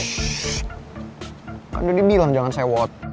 kan udah dibilang jangan sewot